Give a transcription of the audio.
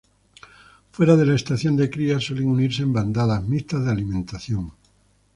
Fuera de la estación de cría, suelen unirse en bandadas mixtas de alimentación.